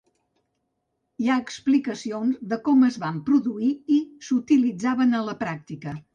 Hi ha explicacions de com es van produir i s'utilitzaven a la pràctica.